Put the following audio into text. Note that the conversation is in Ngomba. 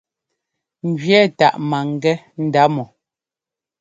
Ŋjʉɛ́ táʼ maŋgɛ́ ndá mɔ.